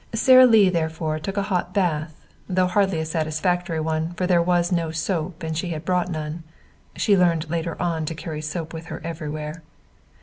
Sara Lee therefore took a hot bath, though hardly a satisfactory one, for there was no soap and she had brought none. She learned later on to carry soap with her everywhere.